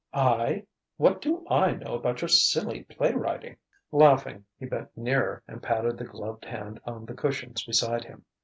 "I? What do I know about your silly playwriting?" Laughing, he bent nearer and patted the gloved hand on the cushions beside him.